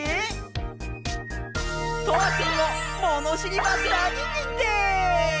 とわくんをものしりマスターににんてい！